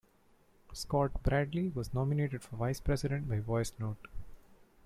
Scott Bradley was nominated for Vice President by voice vote.